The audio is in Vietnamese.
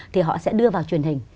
thì họ sẽ đưa vào truyền hình